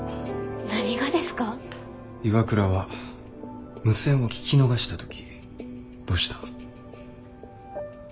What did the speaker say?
岩倉は無線を聞き逃した時どうした？